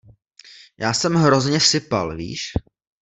Já jsem hrozně sypal, víš?